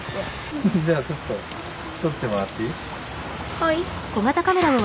はい。